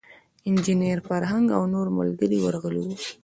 انجینیر فرهنګ او نور ملګري ورغلي وو.